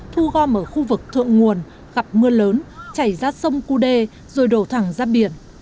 thu gom ở khu vực thượng nguồn gặp mưa lớn chảy ra sông cú đê rồi đổ thẳng ra biển